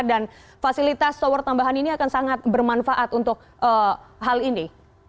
dan fasilitas tower tambahan ini akan sangat bermanfaat untuk hal ini